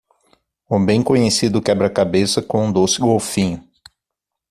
O bem conhecido quebra-cabeça com um doce golfinho.